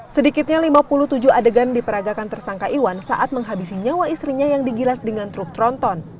sedikitnya lima puluh tujuh adegan diperagakan tersangka iwan saat menghabisi nyawa istrinya yang digilas dengan truk tronton